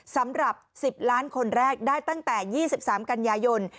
สำหรับ๑๐ล้านคนแรกได้ตั้งแต่๒๓กันยายน